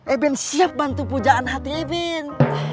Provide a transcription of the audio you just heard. eben siap bantu pujaan hati ebin